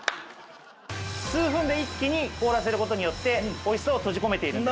数分で一気に凍らせる事によって美味しさを閉じ込めているんです。